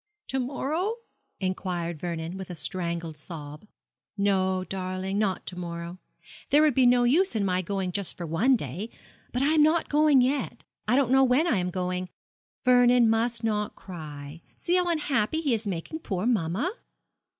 'To morrow?' inquired Vernon, with a strangled sob. 'No, darling, not to morrow; there would be no use in my going just for one day; but I am not going yet I don't know when I am going Vernon must not cry. See how unhappy he is making poor mamma.'